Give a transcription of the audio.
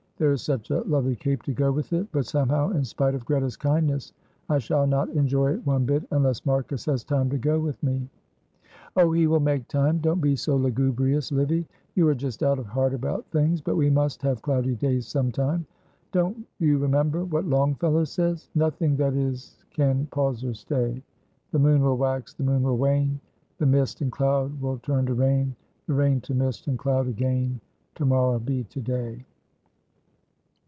There is such a lovely cape to go with it, but somehow, in spite of Greta's kindness, I shall not enjoy it one bit, unless Marcus has time to go with me." "Oh, he will make time; don't be so lugubrious, Livy. You are just out of heart about things, but we must have cloudy days some time. Don't you remember what Longfellow says? "'Nothing that is can pause or stay, The moon will wax, the moon will wane, The mist and cloud will turn to rain, The rain to mist and cloud again, To morrow be to day.'"